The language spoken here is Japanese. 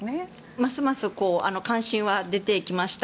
ますます関心は出てきました。